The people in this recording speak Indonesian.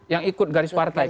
yang ikut garis partai